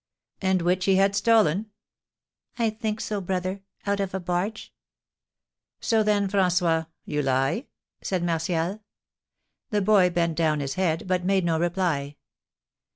"And which he had stolen?" "I think so, brother, out of a barge." "So then, François, you lie?" said Martial. The boy bent down his head, but made no reply.